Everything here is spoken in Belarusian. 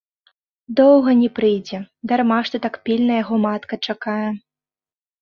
Доўга не прыйдзе, дарма што так пільна яго матка чакае.